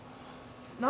何？